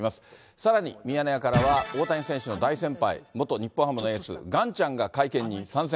さらに、ミヤネ屋からは、大谷選手の大先輩、元日本ハムのエース、ガンちゃんが会見に参戦。